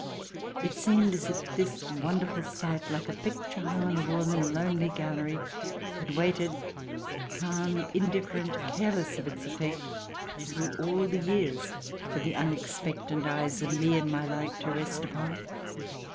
It seemed as if this wonderful sight, like a picture hung on a wall in a lonely gallery, had waited, calm, indifferent, careless of its effect, through all the years, for the unexpectant eyes of me and my like to rest upon.